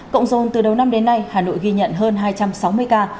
cộng dồn từ đầu năm đến nay hà nội ghi nhận hơn hai trăm sáu mươi ca